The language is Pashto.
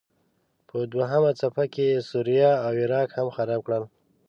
په دوهمه څپه کې یې سوریه او عراق هم خراب کړل.